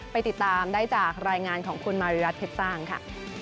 ไปติดตามได้จากรายงานของคุณมาริรัติเพชรสร้างค่ะ